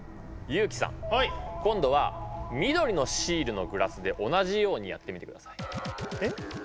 今度は緑のシールのグラスで同じようにやってみてください。